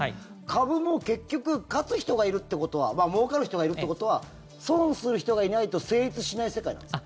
株も結局勝つ人がいるってことはもうかる人がいるってことは損する人がいないと成立しない世界なんですか？